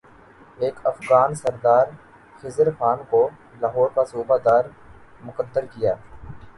ایک افغان سردار خضر خان کو لاہور کا صوبہ دار مقرر کیا